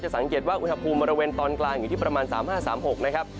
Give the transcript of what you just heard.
สังเกตว่าอุณหภูมิบริเวณตอนกลางอยู่ที่ประมาณ๓๕๓๖นะครับ